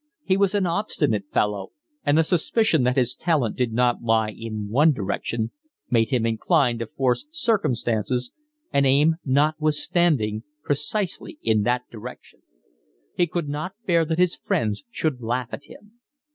He was an obstinate fellow, and the suspicion that his talent did not lie in one direction made him inclined to force circumstances and aim notwithstanding precisely in that direction. He could not bear that his friends should laugh at him.